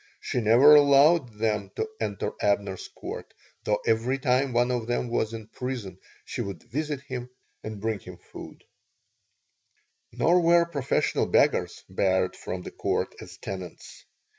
She never allowed them to enter Abner's Court, though every time one of them was in prison she would visit him and bring him food Nor were professional beggars barred from the Court as tenants.